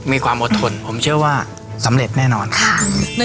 มีความอดทนผมเชื่อว่าสำเร็จแน่นอนค่ะ